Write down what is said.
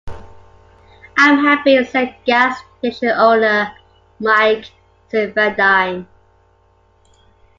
I'm happy, said gas station owner Mike Safiedine.